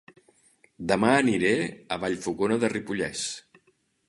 Dema aniré a Vallfogona de Ripollès